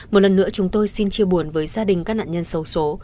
một lần nữa chúng tôi xin chia buồn với gia đình các nạn nhân xấu xố